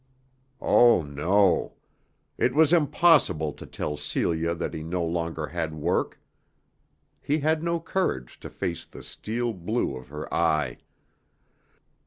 Oh, no. It was impossible to tell Celia that he no longer had work. He had no courage to face the steel blue of her eye.